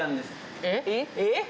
えっ？